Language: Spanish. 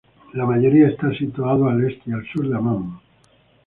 La mayoría están situados al este y al sur de Ammán.